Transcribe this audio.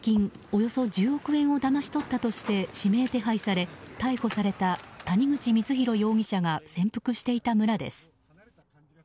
およそ１０億円をだまし取ったとして指名手配され逮捕された谷口光弘容疑者が潜伏していた村です。